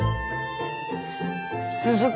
す鈴子？